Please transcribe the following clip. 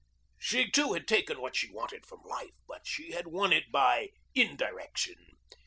She too had taken what she wanted from life, but she had won it by indirection.